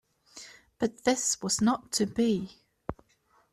But this was not to be.